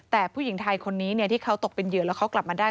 แต่ผู้หญิงไทยคนนี้ที่เขาตกเป็นเหยื่อแล้วเขากลับมาได้